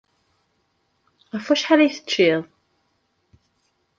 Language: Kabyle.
Ɣef wacḥal ay tecciḍ?